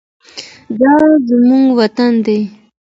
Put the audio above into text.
دا زموږ وطن دی.